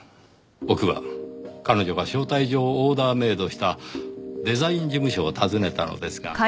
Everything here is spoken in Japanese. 僕は彼女が招待状をオーダーメイドしたデザイン事務所を訪ねたのですが。